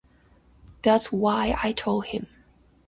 That's why I told him.